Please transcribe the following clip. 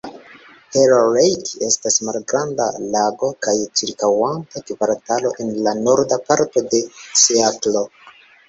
Haller Lake estas malgranda lago kaj ĉirkaŭanta kvartalo en la norda parto de Seatlo.